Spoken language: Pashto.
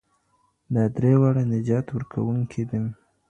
دا درې واړه نجات ورکوونکي دي.